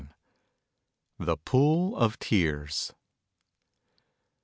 THE POOL OF TEARS.